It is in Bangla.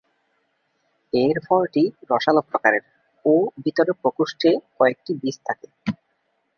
এর ফলটি রসালো প্রকারের ও ভেতরের প্রকোষ্ঠে কয়েকটি বীজ থাকে।